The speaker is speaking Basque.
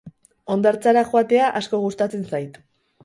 Hondartzara joatea asko gustatzen zait.